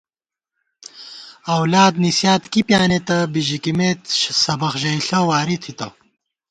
اؤلاد نِسِیات کی پیانېتہ بِژِکِمېت سبَخ ژئیݪہ واری تھِتہ